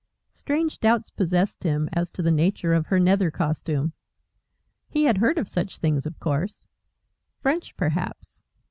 Strange doubts possessed him as to the nature of her nether costume. He had heard of such things of course. French, perhaps.